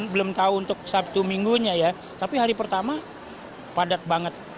belum tahu untuk sabtu minggunya ya tapi hari pertama padat banget